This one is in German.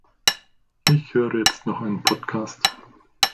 Ich höre jetzt noch einen Podcast.